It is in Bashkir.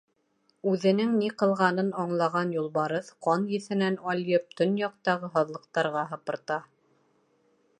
Үҙенең ни ҡылғанын аңлаған Юлбарыҫ, ҡан еҫенән алйып, төньяҡтағы һаҙлыҡтарға һыпырта.